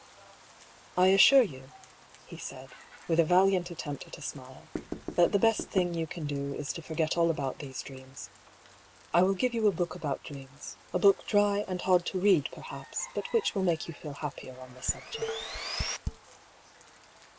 " I assure you," he said, with a valiant attempt at a smile, " that the best thing you can do is to forget all about these dreams. I will give you a book about 16 236 1>I^ PAULL'S THEORY. dreams, a book dry and hard to read perhaps, bat which will make you feel happier on the subject."